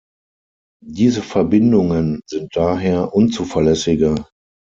Diese Verbindungen sind daher unzuverlässiger.